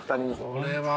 これは。